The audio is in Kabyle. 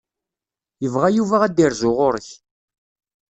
Yebɣa Yuba ad d-irzu ɣur-k.